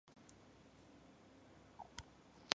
同年升任兵部尚书。